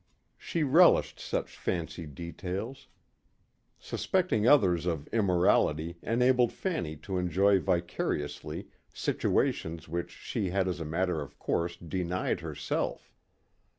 She relished such fancied details. Suspecting others of immorality enabled Fanny to enjoy vicariously situations which she had as a matter of course denied herself.